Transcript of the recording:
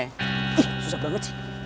ih susah banget sih